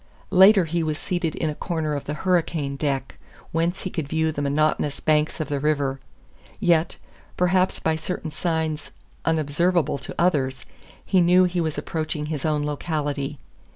Later he was seated in a corner of the hurricane deck, whence he could view the monotonous banks of the river; yet, perhaps by certain signs unobservable to others, he knew he was approaching his own locality.